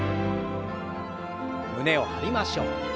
胸を張りましょう。